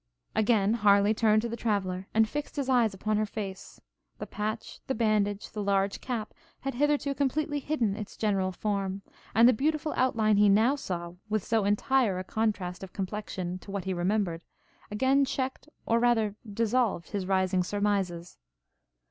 Again Harleigh turned to the traveller, and fixed his eyes upon her face: the patch, the bandage, the large cap, had hitherto completely hidden its general form; and the beautiful outline he now saw, with so entire a contrast of complexion to what he remembered, again checked, or rather dissolved his rising surmizes.